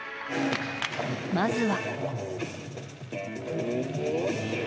まずは。